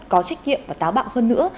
có trách nhiệm và táo bạo hơn nữa